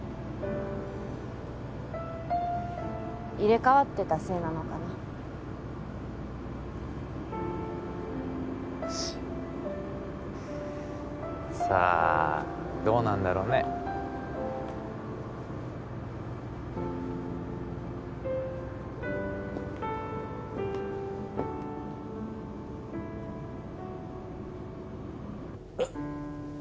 入れ替わってたせいなのかなシッさあどうなんだろうねうっ